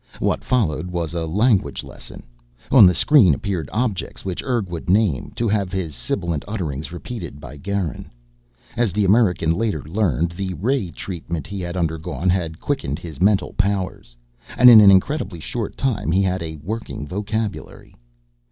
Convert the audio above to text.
What followed was a language lesson. On the screen appeared objects which Urg would name, to have his sibilant uttering repeated by Garin. As the American later learned, the ray treatment he had undergone had quickened his mental powers, and in an incredibly short time he had a working vocabulary.